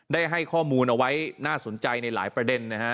ได้ให้ข้อมูลเอาไว้น่าสนใจในหลายประเด็นนะฮะ